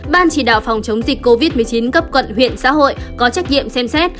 ban chỉ đạo phòng chống dịch covid một mươi chín cấp quận huyện xã hội có trách nhiệm xem xét